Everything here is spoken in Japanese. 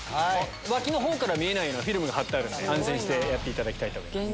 脇のほうから見えないようなフィルムが貼ってあるんで安心してやっていただきたいと思います。